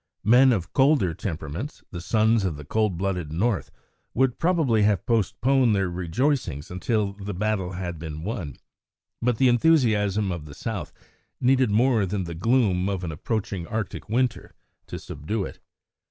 Men of colder temperaments, the sons of the cold blooded North, would probably have postponed their rejoicings until the battle had been won, but the enthusiasm of the South needed more than the gloom of an approaching Arctic winter to subdue it.